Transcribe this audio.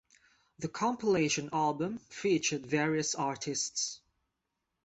The compilation album featured various artists.